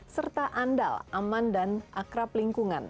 serta andal aman dan akrab lingkungan